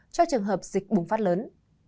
cho trường hợp dịch bùng phát lớn